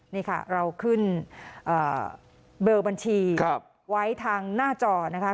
นี่ค่ะเราขึ้นเบอร์บัญชีไว้ทางหน้าจอนะคะ